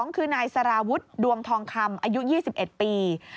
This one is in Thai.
คือนายสารวุฒิดวงทองคำอายุ๒๑ปี